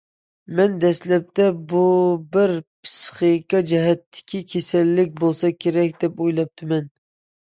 مەن دەسلەپتە بۇ بىر پىسخىكا جەھەتتىكى كېسەللىك بولسا كېرەك، دەپ ئويلاپتىمەن.